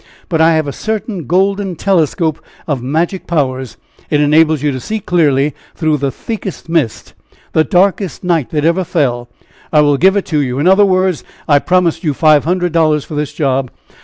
But I have a certain golden telescope of magic powers. It enables you to see clearly through the thickest mist, the darkest night that ever fell. I will give it to you. In other words, I promised you five hundred dollars for this job.